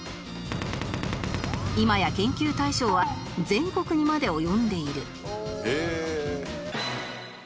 今や研究対象は全国にまで及んでいる